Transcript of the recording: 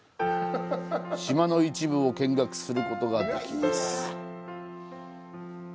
島の一部を見学することができます。